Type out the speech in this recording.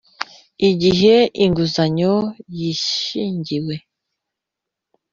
Igihe inguzanyo yishingiwe